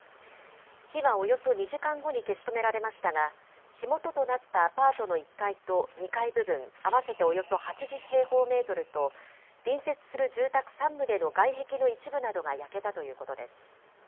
火はおよそ２時間後に消し止められましたが、火元となったアパートの１階と２階部分合わせておよそ８０平方メートルと、隣接する住宅３棟の外壁の一部などが焼けたということです。